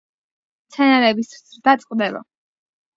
მცენარეების ზრდა წყდება.